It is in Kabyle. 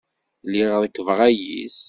Lliɣ rekkbeɣ ayis.